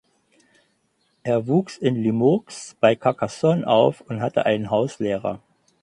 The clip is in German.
Er wuchs in Limoux bei Carcassonne auf und hatte einen Hauslehrer.